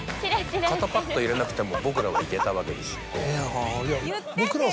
肩パッド入れなくても僕らはいけたわけですよ。